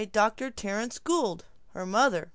Dr. Terence Gould Her mother